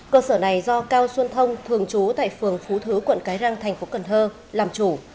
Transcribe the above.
cơ sở này do cao xuân thông thường trú tại phường phú thứ quận cái răng thành phố cần thơ làm chủ